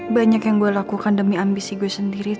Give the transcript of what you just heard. banyak yang gue lakukan demi ambisi gue sendiri